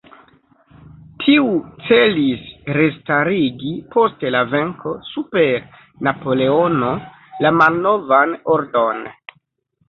Tiu celis restarigi post la venko super Napoleono la malnovan ordon.